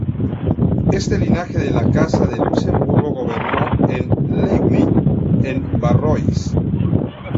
Este linaje de la Casa de Luxemburgo gobernó en Ligny-en-Barrois.